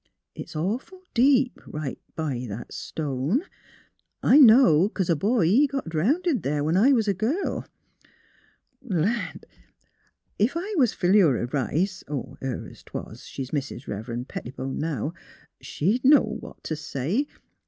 It's awful deep, right b' that stone. I know, 'cause a boy, he got drownded there, when I was a girl. Land! ef I was Philura Rice — her 'twas; she's Mis' Rev'ren' Pettibone, now — she'd know what t' say.